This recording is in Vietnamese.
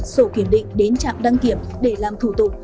sổ kiểm định đến trạm đăng kiểm để làm thủ tục